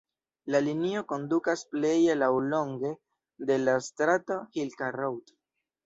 La linio kondukas pleje laŭlonge de la strato Hill Cart Road.